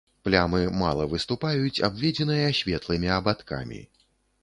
Плямы мала выступаюць, абведзеныя светлымі абадкамі.